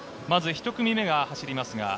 １組目が走ります。